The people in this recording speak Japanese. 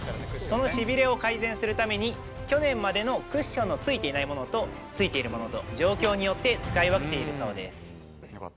そのしびれを改善するために、去年までのクッションのついていないものと、ついているものと、状況によって使い分けているそうＧｏｉｎｇ！